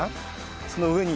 その上に。